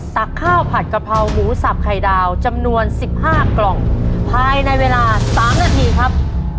ข้าวผัดกะเพราหมูสับไข่ดาวจำนวน๑๕กล่องภายในเวลา๓นาทีครับ